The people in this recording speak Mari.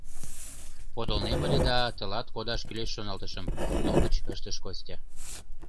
— Подылнем ыле да тылат кодаш кӱлеш шоналтышым, — лугыч ыштыш Костя.